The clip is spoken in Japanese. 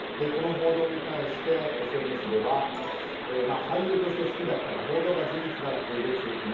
この報道に対してＳＮＳでは俳優として好きだったが報道が事実なら軽蔑する。